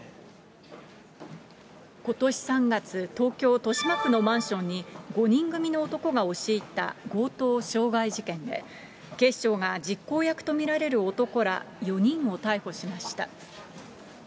ことし３月、東京・豊島区のマンションに、５人組の男が押し入った強盗傷害事件で、警視庁が実行役と見られる男ら４人を逮捕しました。